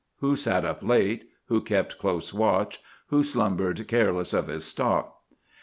Who sat up late; who kept close watch; who slumbered careless of his stock.